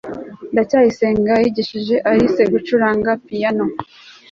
ndacyayisenga yigishije alice gucuranga piyano